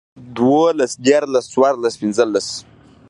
دولس ديارلس څوارلس پنځلس